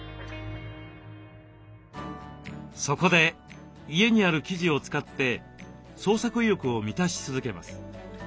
そこで家にある生地を使って創作意欲を満たし続けます。